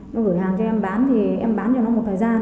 em gửi hàng cho em bán thì em bán cho nó một thời gian